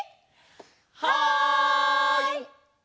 はい！